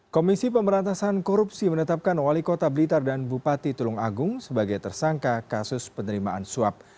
komisi pemberantasan korupsi menetapkan wali kota blitar dan bupati tulung agung sebagai tersangka kasus penerimaan suap